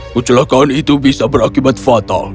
kecelakaan itu bisa berakibat foto